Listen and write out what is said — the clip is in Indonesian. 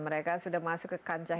mereka sudah masuk ke kancah